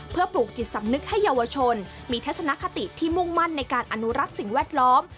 เพื่อปลูกจิตสำนึกให้เยาวชนมีทัศนคติที่มุ่งมั่นในการอนุรักษ์สิ่งแวดล้อม